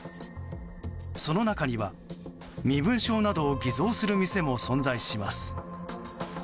その中には、身分証などを偽造する店も存在します。